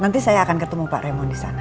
nanti saya akan ketemu pak remon disana